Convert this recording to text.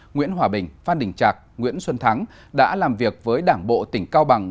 nguyễn hòa bình phan đình trạc nguyễn xuân thắng đã làm việc với đảng bộ tỉnh cao bằng